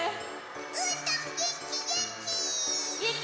うーたんげんきげんき！